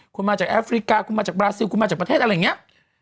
คุณมาจากแอฟริกาคุณมาจากบราซิลคุณมาจากประเทศอะไรอย่างนี้